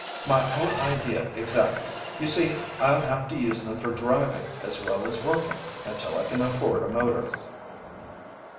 "My own idea exactly. You see, I'll have to use them for driving as well as working, until I can afford a motor."